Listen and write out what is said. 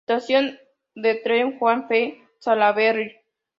Estación de tren Juan F. Salaberry.